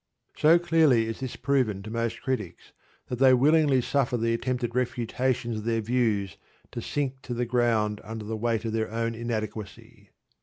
So clearly is this proven to most critics, that they willingly suffer the attempted refutations of their views to sink to the ground under the weight of their own inadequacy.